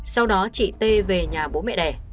sau đó chị t về nhà bố mẹ đẻ